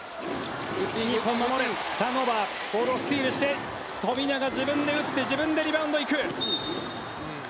ターンオーバーボールをスチールして富永、自分で打って自分でリバウンド行く。